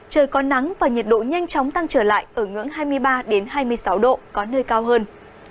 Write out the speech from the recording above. trời có nắng và nhiệt độ nhanh chóng tăng trở lại ở ngưỡng hai mươi ba hai mươi sáu độ có nơi cao hơn